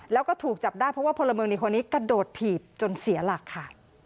แล้วก็ถูกจับได้เพราะว่าพลเมืองดีคนนี้กระโดดถีบจนเสียหลักค่ะ